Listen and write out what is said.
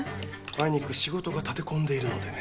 あいにく仕事が立て込んでいるのでね